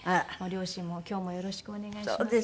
両親も今日もよろしくお願いしますと。